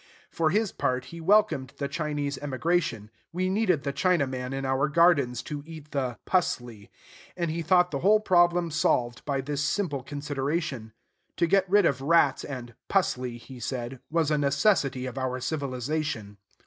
For his part, he welcomed the Chinese emigration: we needed the Chinaman in our gardens to eat the "pusley;" and he thought the whole problem solved by this simple consideration. To get rid of rats and "pusley," he said, was a necessity of our civilization.